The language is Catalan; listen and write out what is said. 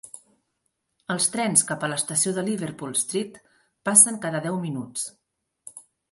Els trens cap a l'estació de Liverpool Street passen cada deu minuts.